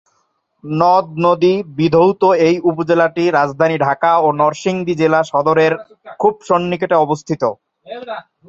নদ-নদী বিধৌত এই উপজেলাটি রাজধানী ঢাকা ও নরসিংদী জেলা সদরের খুব সন্নিকটে অবস্থিত।